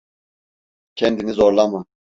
Kendini zorlama.